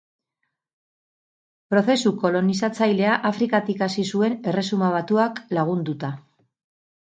Prozesu kolonizatzailea Afrikatik hasi zuen Erresuma Batuak lagunduta.